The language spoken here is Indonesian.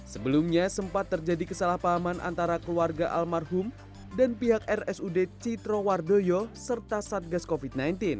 sebelumnya sempat terjadi kesalahpahaman antara keluarga almarhum dan pihak rsud citro wardoyo serta satgas covid sembilan belas